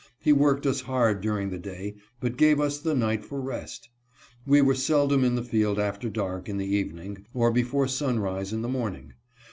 He worked us hard during the day, but gave us the night for rest. We were seldom in the field after dark in the even ing, or before sunrise in the morning.